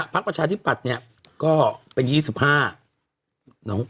พระประชาธิบัติเนี่ยก็เป็น๒๕